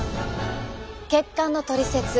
血管のトリセツ